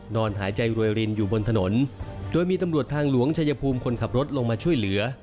นอนหายใจรวยรินอยู่บนถนนโดยมีตำรวจทางหลวงชายภูมิคนขับรถลงมาช่วยเหลือ